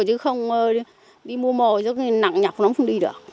chứ không đi mua mồi nặng nhọc nó không đi được